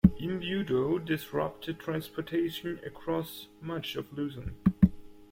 Imbudo disrupted transportation across much of Luzon.